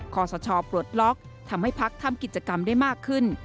ขอสชปลดล็อกทำให้พักทำกิจกรรมได้มากขึ้น